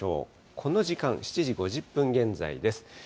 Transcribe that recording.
この時間、７時５０分現在です。